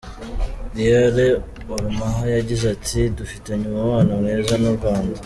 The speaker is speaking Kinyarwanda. Dr Oramah yagize ati “Dufitanye umubano mwiza n’u Rwanda.